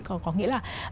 có nghĩa là